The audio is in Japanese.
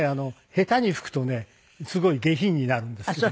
下手に吹くとねすごい下品になるんですけども。